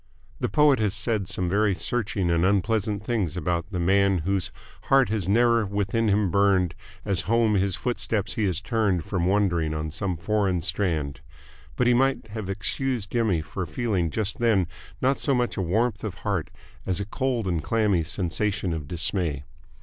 The poet has said some very searching and unpleasant things about the man "whose heart has ne'er within him burned as home his footsteps he has turned from wandering on some foreign strand," but he might have excused Jimmy for feeling just then not so much a warmth of heart as a cold and clammy sensation of dismay.